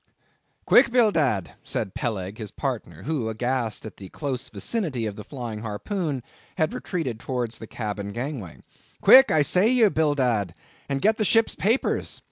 "Quick, Bildad," said Peleg, his partner, who, aghast at the close vicinity of the flying harpoon, had retreated towards the cabin gangway. "Quick, I say, you Bildad, and get the ship's papers.